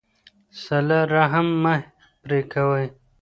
صلة رحم مه پرې کوئ.